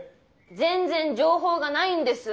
全然情報がないんです